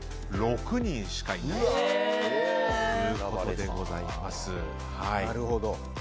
６人しかいないということでございます。